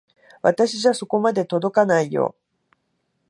私じゃそこまで届かないよ。